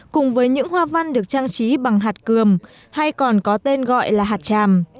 cùng với những hoa văn được trang trí bằng hạt cường hay còn có tên gọi là hạt tràm